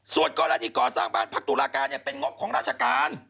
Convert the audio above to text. ส่วนกรณีก่อสร้างบ้านพักตุลาการเป็นงบของราชการ